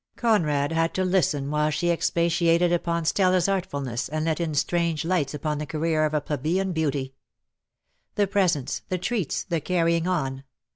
Conrad had to listen while she expatiated upon Stella's artfulness and let in strange lights iipon the career of a plebeian beauty. The presents, the treats, the carrying on!